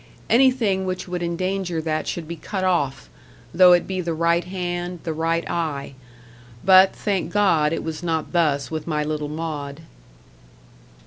Anything which would endanger that should be cut off though it be the right hand the right eye. But, thank God, it was not thus with my little Maud."